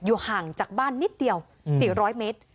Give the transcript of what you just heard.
ห่างจากบ้านนิดเดียว๔๐๐เมตร